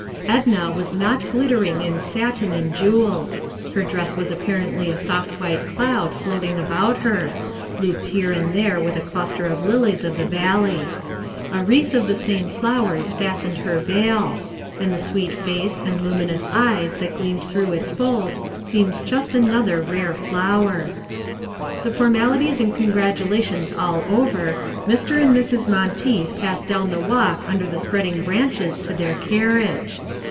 Edna was not glittering in satin and jewels. Her dress was apparently a soft white cloud floating about her, looped here and there with a cluster of lilies of the valley. A wreath of the same flowers fastened her veil; and the sweet face and luminous eyes that gleamed through its folds seemed just another rare flower. The formalities and congratulations all over, Mr. and Mrs. Monteith passed down the walk under the spreading branches to their carriage.